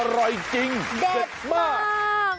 อร่อยจริงเด็ดมาก